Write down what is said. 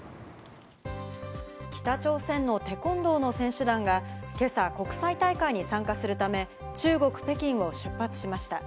北朝鮮のテコンドーの選手團が今朝、国際大会に参加するため、中国・北京を出発しました。